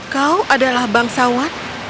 kau adalah bangsawan